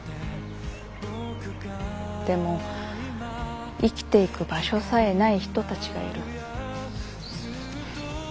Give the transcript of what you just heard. でも生きていく場所さえない人たちがいる。